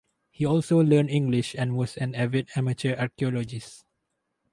He also learned English and was an avid amateur archaeologist.